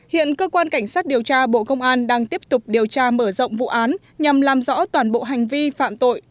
hiện cơ quan cảnh sát điều tra bộ công an đang tiếp tục điều tra mở rộng vụ án nhằm làm rõ toàn bộ hành vi phạm tội